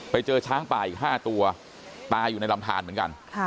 ไปเจอช้างป่าอีก๕ตัวตายอยู่ในลำทานเหมือนกัน